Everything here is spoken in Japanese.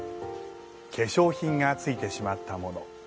化粧品がついてしまったもの。